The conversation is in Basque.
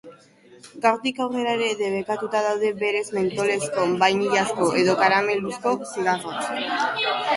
Gaurtik aurrera ere, debekatuta daude berez mentolezko, bainilazko edo karameluzko zigarroak.